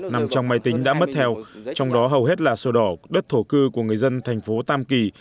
nằm trong máy tính đã mất theo trong đó hầu hết là sổ đỏ đất thổ cư của người dân thành phố tam kỳ